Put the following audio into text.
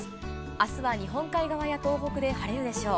あすは日本海側や東北で晴れるでしょう。